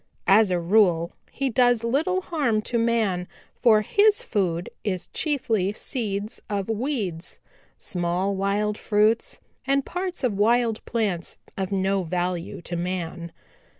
"As a rule he does little harm to man, for his food is chiefly seeds of weeds, small wild fruits and parts of wild plants of no value to man.